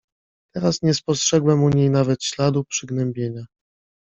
"Teraz nie spostrzegłem u niej nawet śladu przygnębienia."